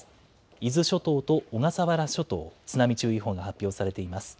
伊豆諸島と小笠原諸島、津波注意報が発表されています。